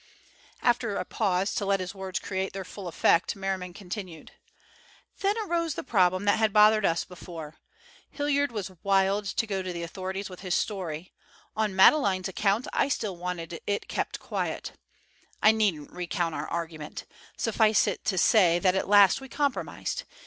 After a pause to let his words create their full effect, Merriman continued: "Then arose the problem that had bothered us before. Hilliard was wild to go to the authorities with his story; on Madeleine's account I still wanted it kept quiet. I needn't recount our argument. Suffice it to say that at last we compromised.